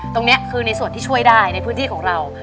ตรงนี้คือในส่วนที่ช่วยได้ในพื้นที่ของเรา